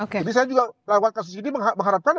jadi saya juga mengharapkan